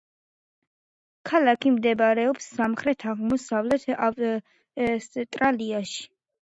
ქალაქი მდებარეობს სამხრეთ–აღმოსავლეთ ავსტრალიაში.